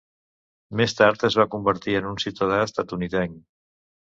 Més tard es va convertir en un ciutadà estatunidenc.